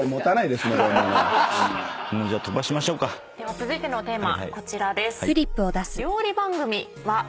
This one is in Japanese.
では続いてのテーマこちらです。